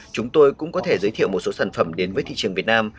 chúng tôi cũng có thể giới thiệu một số sản phẩm đến với thị trường việt nam